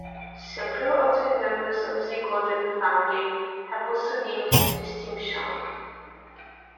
Several other members of the Gordon family have also gained distinction.